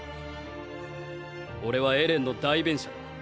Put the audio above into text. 俺はエレンの代弁者だ。